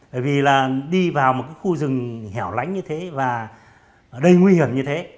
bởi vì là đi vào một khu rừng hẻo lánh như thế và ở đây nguy hiểm